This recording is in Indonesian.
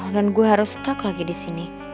dan gue harus stuck lagi disini